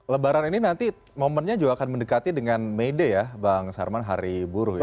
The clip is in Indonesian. lebaran ini nanti momennya juga akan mendekati dengan may day ya bang sarman hari buruh ya